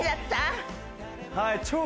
はい。